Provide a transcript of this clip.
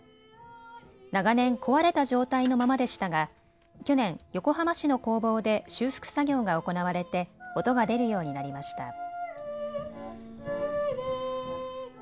長年壊れた状態のままでしたが、去年、横浜市の工房で修復作業が行われて音が出るようになりました。